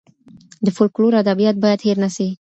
د فولکلور ادبيات بايد هېر نه سي.